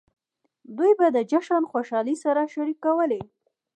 دوی به د جشن خوشحالۍ سره شریکولې.